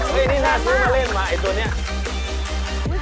เฮ่ยนี่น่าสวยมากเล่นมาไอ้ตัวนี้